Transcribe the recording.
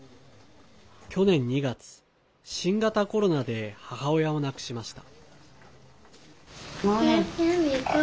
去年２月、新型コロナで母親を亡くしました。